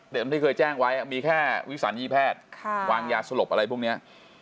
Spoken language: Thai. ที่เคยแจ้งไว้มีแค่วิสัญญีแพทย์วางยาสลบอะไรพวกนี้